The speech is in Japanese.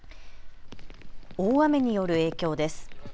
大雨による影響です。